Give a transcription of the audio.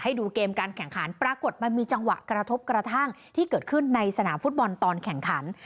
ดูเกมการแข่งขันปรากฏมันมีจังหวะกระทบกระทั่งที่เกิดขึ้นในสนามฟุตบอลตอนแข่งขัน